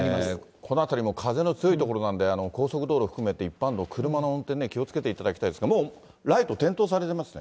この辺りも風の強い所なんで、高速道路含めて一般道、車の運転、気をつけていただきたいですが、もうライト点灯されてますね。